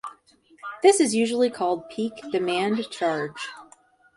This is usually called peak demand charge.